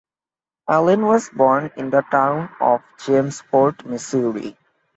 Allen was born in the town of Jamesport, Missouri.